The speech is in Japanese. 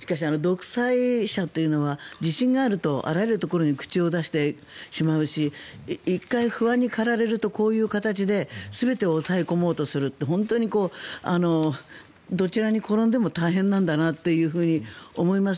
しかし独裁者というのは自信があるとあらゆるところに口を出してしまうし１回不安に駆られるとこういう形で全てを抑え込もうとする本当にどちらに転んでも大変なんだなと思います。